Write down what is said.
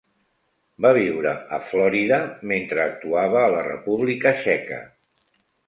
Va viure a Florida mentre actuava a la República Txeca.